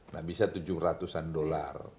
nah bisa tujuh ratusan dolar